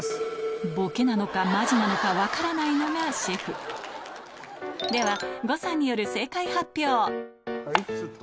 ボケなのかマジなのか分からないのがシェフでは呉さんによるはいスッと。